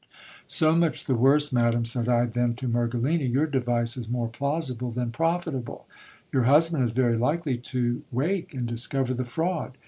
So much the worse, madam, said I then to Mergelina ; your device is more plausible than profitable. Your husband is very likely to wake, and discover the fraud.